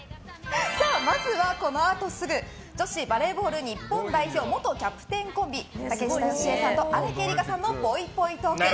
まずは、このあとすぐ女子バレー日本代表元キャプテンコンビ竹下佳江さんと荒木絵里香さんのぽいぽいトーク。